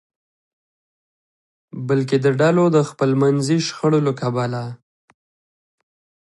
بلکې د ډلو د خپلمنځي شخړو له کبله.